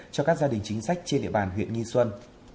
cho các gia đình chính sách trên địa bàn huyện nghi xuân